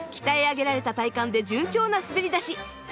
鍛え上げられた体幹で順調な滑り出し！